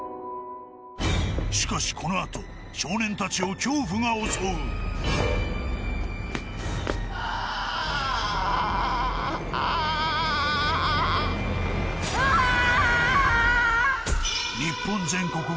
しかしこのあと少年たちを恐怖が襲うあーあーうわーっ！